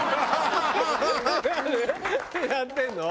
やってるの？